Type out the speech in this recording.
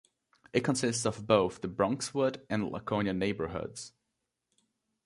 It consists of both the Bronxwood and Laconia neighborhoods.